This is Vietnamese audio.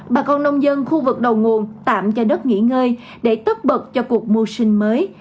bà con nông dân khu vực đầu nguồn tạm cho đất nghỉ ngơi để tất bật cho cuộc mưu sinh mới